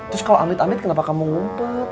terus kalau amit amit kenapa kamu ngumpul